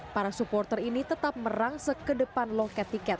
para supporter ini tetap merang seke depan loket tiket